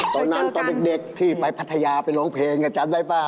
ตอนนั้นตอนเด็กพี่ไปปัธยาไปร้องเพลงจำได้เปล่า